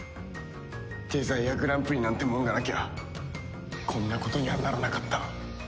デザイアグランプリなんてもんがなきゃこんなことにはならなかった。